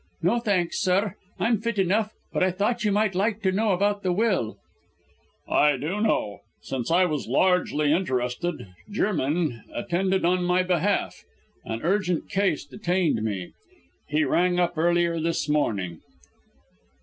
"No, thanks sir; I'm fit enough; but I thought you might like to know about the will " "I do know. Since I was largely interested, Jermyn attended on my behalf; an urgent case detained me. He rang up earlier this morning."